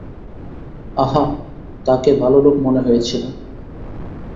আহা, তাকে ভালো লোক মনে হয়েছিল।